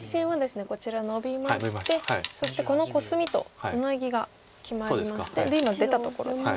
こちらノビましてそしてこのコスミとツナギが決まりましてで今出たところですね。